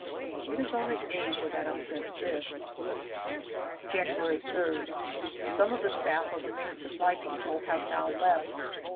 It is only Asia that upsets this. January 3rd. Some of the staff of the Main Supply depot have now left.